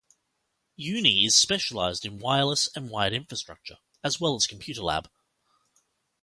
Uni is specialized in wireless and wired infrastructure, as well as computer lab.